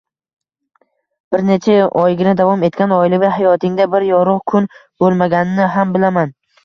Bir necha oygina davom etgan oilaviy hayotingda bir yorug` kun bo`lmaganini ham bilaman